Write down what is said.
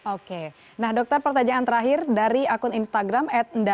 oke nah dokter pertanyaan terakhir dari akun instagram